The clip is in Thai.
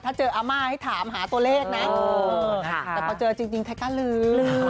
ถ้าเจออาม่าให้ถามหาตัวเลขนะแต่พอเจอจริงแท็กกะลื้อ